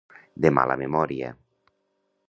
De mala memòria.